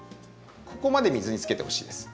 ここまで水につけてほしいです。